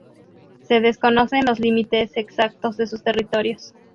Se desconocen los límites exactos de sus territorios.